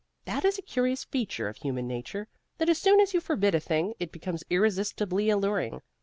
That is a curious feature of human nature, that as soon as you forbid a thing it becomes irresistibly alluring.